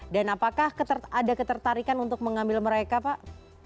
dan apakah ada ketertarikan untuk mengambil mereka pak